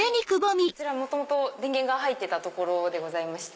こちら元々電源が入ってた所でございまして。